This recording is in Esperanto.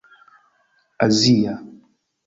azia